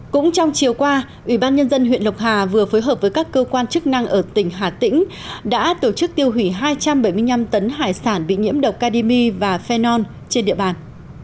cũng trong chiều qua ủy ban nhân dân huyện lộc hà vừa phối hợp với các cơ quan chức năng ở tỉnh hà tĩnh đã tổ chức tiêu hủy hai trăm bảy mươi năm tấn hải sản bị nhiễm độc ca đi và phenol trên địa bàn